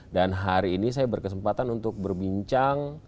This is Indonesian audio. dan hari ini saya berkesempatan untuk berbincang